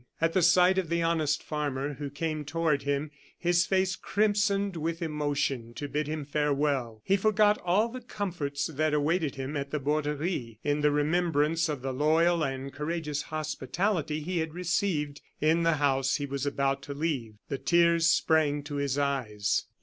At the sight of the honest farmer, who came toward him, his face crimsoned with emotion to bid him farewell, he forgot all the comforts that awaited him at the Borderie, in the remembrance of the loyal and courageous hospitality he had received in the house he was about to leave. The tears sprang to his eyes.